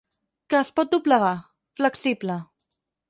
Que es pot doblegar, flexible.